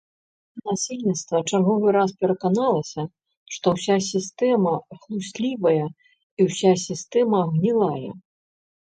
Насельніцтва чарговы раз пераканалася, што ўся сістэма хлуслівая і ўся сістэма гнілая.